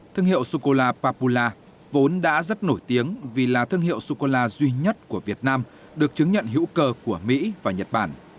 thương hiệu sô cô la papula vốn đã rất nổi tiếng vì là thương hiệu sô cô la duy nhất của việt nam được chứng nhận hữu cơ của mỹ và nhật bản